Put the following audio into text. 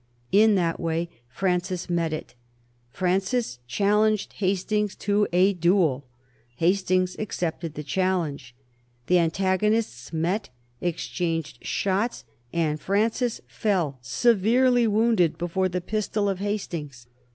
In that way Francis met it. Francis challenged Hastings to a duel. Hastings accepted the challenge. The antagonists met, exchanged shots, and Francis fell severely wounded before the pistol of Hastings.